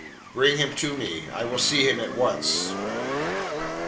"Bring him to me. I will see him at once."